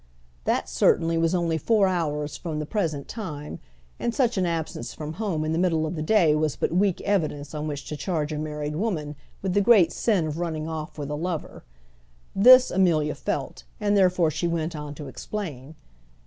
That, certainly, was only four hours from the present time, and such an absence from home in the middle of the day was but weak evidence on which to charge a married woman with the great sin of running off with a lover. This Amelia felt, and therefore she went on to explain.